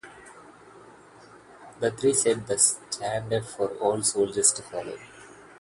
The three set the standard for all soldiers to follow.